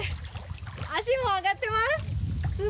足も上がってます。